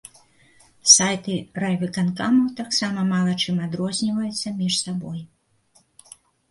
Сайты райвыканкамаў таксама мала чым адрозніваюцца між сабой.